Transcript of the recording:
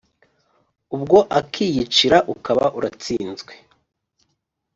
”. Ubwo akakiyicira, ukaba uratsinzwe.